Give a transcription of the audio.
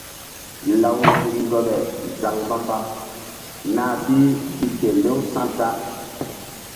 Law nzuk ndoɓe zaŋ mbamba nah bi gi kelew sa̧ da.